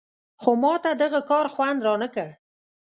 خو ماته دغه کار خوند نه راکړ.